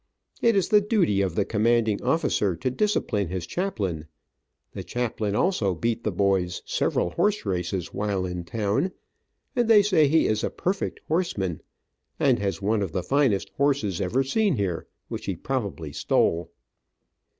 It is the duty of the commanding officer to discipline his chaplain. The chaplain also beat the boys several horse races while in town, and they say he is a perfect horseman, and has one of the finest horses ever seen here, which he probably stole."